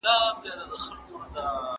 ¬ د اوبو نه کوچ اوباسي.